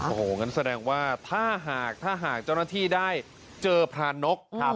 โอ้โหงั้นแสดงว่าถ้าหากเจ้าหน้าที่ได้เจอพรานก